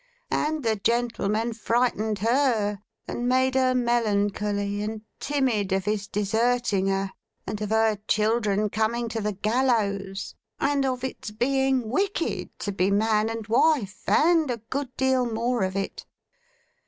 And the gentlemen frightened her, and made her melancholy, and timid of his deserting her, and of her children coming to the gallows, and of its being wicked to be man and wife, and a good deal more of it.